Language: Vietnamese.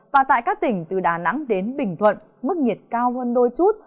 và tại các tỉnh từ đà nẵng đến bình thuận mức nhiệt cao hơn đôi chút